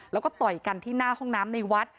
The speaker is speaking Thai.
แล้วก็ต่อยกันที่หน้าห้องน้ำในวัด